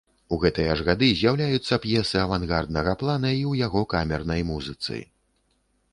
У гэтыя ж гады з'яўляюцца п'есы авангарднага плана і ў яго камернай музыцы.